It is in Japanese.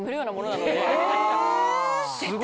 わすごい！